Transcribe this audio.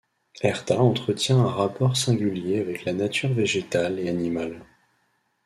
Herta entretient un rapport singulier avec la nature végétale et animale.